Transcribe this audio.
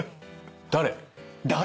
誰？